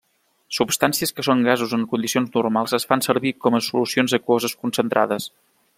Substàncies que són gasos en condicions normals es fan servir com solucions aquoses concentrades.